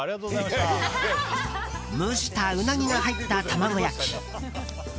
蒸したウナギが入った卵焼き。